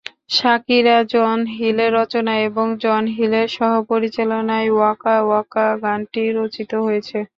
শাকিরা-জন হিলের রচনা এবং জন হিলের সহ-পরিচালনায় ওয়াকা ওয়াকা গানটি রচিত হয়েছে।